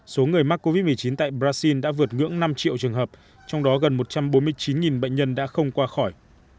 số người mắc covid một mươi chín tại brazil đã vượt ngưỡng năm triệu trường hợp trong đó gần một trăm bốn mươi chín bệnh nhân đã không qua khỏi